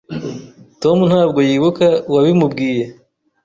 Tom ntabwo yibuka uwabimubwiye.